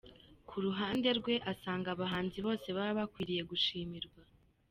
Ku ruhande rwe, asanga abahanzi bose baba bakwiriye gushimirwa.